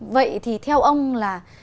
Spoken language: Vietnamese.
vậy thì theo ông là